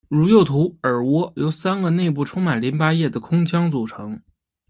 如右图耳蜗由三个内部充满淋巴液的空腔组成。